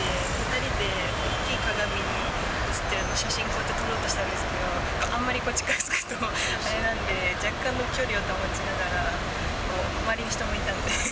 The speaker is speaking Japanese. ロビーで２人で大きな鏡に映ってる写真を撮ろうとしたんですけれども、あまり近づくとあれなんで、若干の距離を保ちながら、周りに人もいたんで。